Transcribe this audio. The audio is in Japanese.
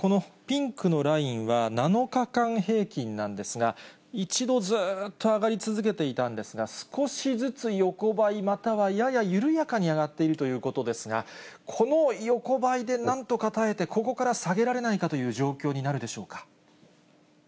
このピンクのラインは７日間平均なんですが、一度ずっと上がり続けていたんですが、少しずつ横ばいまたはやや緩やかに上がっているということですが、この横ばいでなんとか耐えて、ここから下げられないかという状況になるでしょうか。